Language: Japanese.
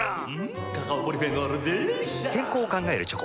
健康を考えるチョコ。